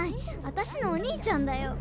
あたしのお兄ちゃんだよ。